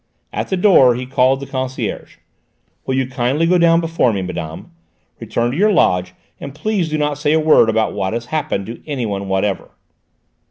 At the door he called the concierge. "Will you kindly go down before me, madame? Return to your lodge, and please do not say a word about what has happened to anyone whatever."